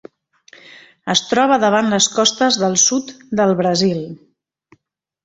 Es troba davant les costes del sud del Brasil.